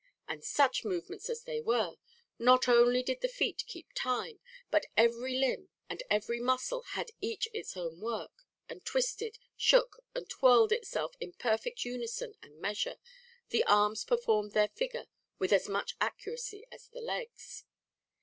And such movements as they were! Not only did the feet keep time, but every limb and every muscle had each its own work, and twisted, shook and twirled itself in perfect unison and measure, the arms performed their figure with as much accuracy as the legs.